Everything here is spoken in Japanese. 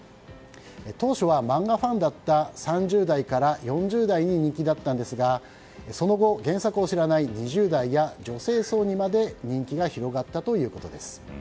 当初は漫画ファンだった３０代から４０代に人気だったんですがその後、原作を知らない２０代や、女性層にまで人気が広がったということです。